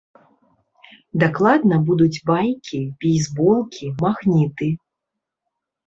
Дакладна будуць байкі, бейсболкі, магніты.